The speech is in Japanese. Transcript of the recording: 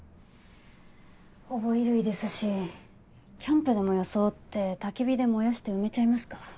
ほぼ衣類ですしキャンプでも装って焚き火で燃やして埋めちゃいますか。